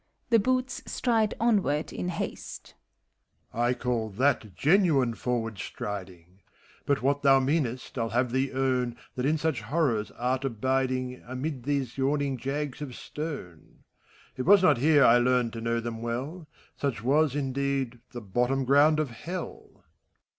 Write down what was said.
The Boots stride onward in haste,) MEPHISTOPHELES. I call that genuine forward striding! But what thou meanest, I'd have thee own, That in such horrors art abiding, imid these yawning jags of stone T ACT JV. 189 It was not here I learned to know them well ; Such was, indeed, the hottom gronnd of Hell.